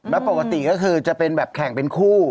แล้วปกติก็คือจะเป็นแบบแข่งเป็นคู่